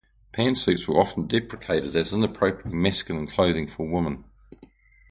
Pantsuits were often deprecated as inappropriately masculine clothing for women.